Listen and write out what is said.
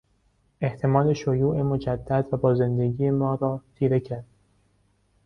احتمال شیوع مجدد و با زندگی ما را تیره کرد.